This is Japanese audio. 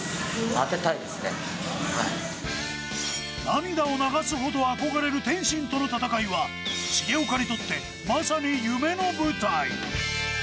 涙を流すほど憧れる天心選手との戦いは重岡にとって、まさに夢の舞台。